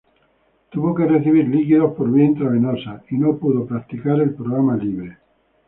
Tuvo que recibir líquidos por vía intravenosa y no pudo practicar el programa libre.